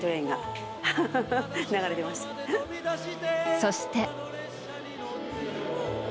そして。